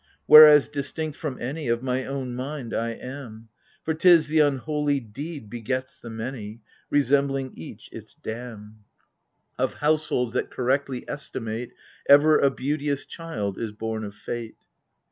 Whereas, distinct from any. Of my own mind I am : For 't is the unholy deed begets the many, Resembling each its dam. AGAMEMNOr^. 63 Of households that correctly estimate, Ever a beauteous child is born of Fate.